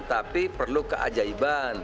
tapi perlu keajaiban